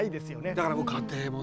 だから家庭もね